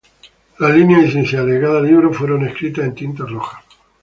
Las líneas iniciales de cada libro fueron escritas en tinta roja.